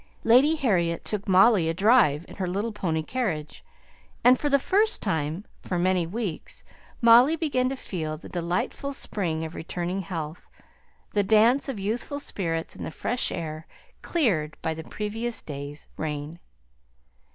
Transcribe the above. Lady Harriet took Molly a drive in her little pony carriage; and for the first time for many weeks Molly began to feel the delightful spring of returning health; the dance of youthful spirits in the fresh air cleared by the previous day's rain.